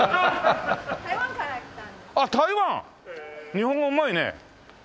日本語うまいね。